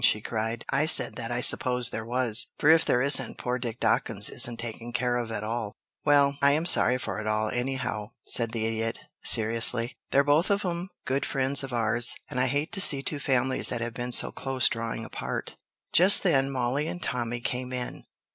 she cried. "I said that I supposed there was, for if there isn't, poor Dick Dawkins isn't taken care of at all." "Well, I'm sorry for it all, anyhow," said the Idiot, seriously. "They're both of 'em good friends of ours, and I hate to see two families that have been so close drawing apart." Just then Mollie and Tommy came in.